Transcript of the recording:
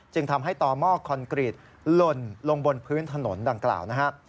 จึงทำให้ต่อหม้อคอนกรีตหล่นลงบนพื้นถนนดังกล่าวนะครับ